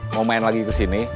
mau main lagi kesini